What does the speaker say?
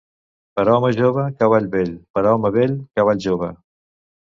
Per a home jove, cavall vell; per a home vell, cavall jove.